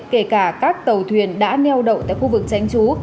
kể cả các tàu thuyền đã neo đậu tại khu vực tránh trú